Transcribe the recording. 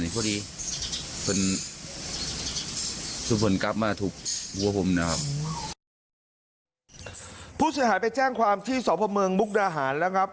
ผู้เสียหายไปแจ้งความที่สพเมืองมุกดาหารแล้วครับ